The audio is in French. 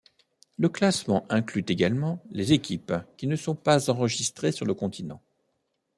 Le classement inclut également les équipes qui ne sont pas enregistrées sur le continent.